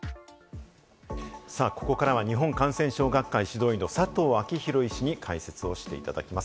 ここからは日本感染症学会・指導医の佐藤昭裕医師に解説をしていただきます。